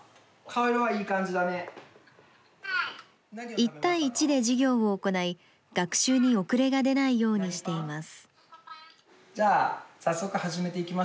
１対１で授業を行い、学習に遅れが出ないようにしています。